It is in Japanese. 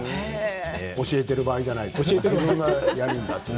教えている場合じゃない自分がやるんだって。